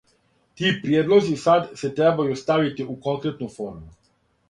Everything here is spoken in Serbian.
Ти приједлози сад се требају ставити у конкретну форму.